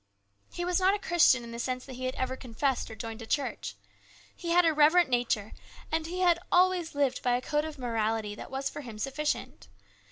He was not a Christian in the sense that he had ever confessed or joined a church. He had a reverent nature, and he had always lived by a code of morality that was for him sufficient.